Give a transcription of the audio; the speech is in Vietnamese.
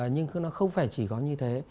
nhưng nó không phải chỉ có như thế